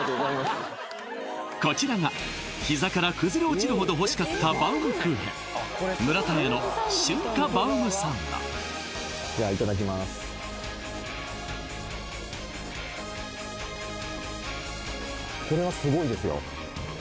こちらが膝から崩れ落ちるほど欲しかったバウムクーヘンじゃあいただきます